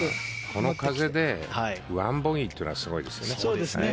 この風で１ボギーというのがすごいですよね。